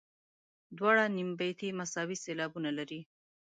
دواړه نیم بیتي مساوي سېلابونه لري.